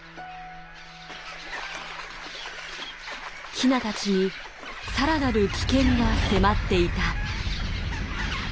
ヒナたちにさらなる危険が迫っていた。